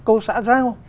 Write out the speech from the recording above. câu xã giao